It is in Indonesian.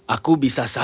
aku bisa saja pergi